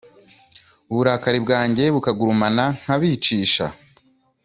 uburakari bwanjye bukagurumana nkabicisha